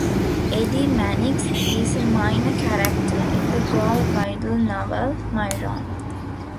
Eddie Mannix is a minor character in the Gore Vidal novel "Myron".